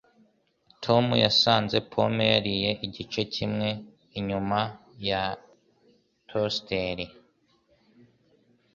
Tom yasanze pome yariye igice kimwe inyuma ya toasteri.